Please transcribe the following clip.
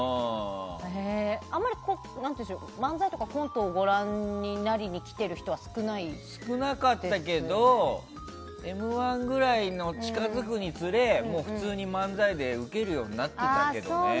あまり、漫才とかコントをご覧になりに来ている人は少なかったけど「Ｍ‐１」ぐらいが近づくにつれもう普通に漫才でウケるようになってたけどね。